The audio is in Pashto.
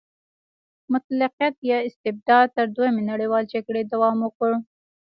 مطلقیت یا استبداد تر دویمې نړیوالې جګړې دوام وکړ.